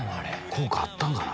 効果あったんかな？